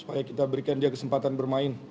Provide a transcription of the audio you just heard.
supaya kita berikan dia kesempatan bermain